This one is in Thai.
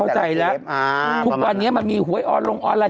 เข้าใจแล้วทุกวันนี้มันมีหวยอ้อนลงอ้อนแล้ว